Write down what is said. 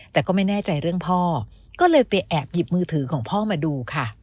แต่ก็ไม่แน่ใจเรื่องพ่อก็เลยไปแอบหยิบมือถือของพ่อมาดูค่ะ